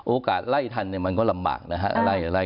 โอกาสไล่ทันมันก็ลำบากนะครับ